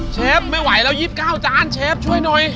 เชฟไม่ไหวแล้ว๒๙จานเชฟช่วยหน่อย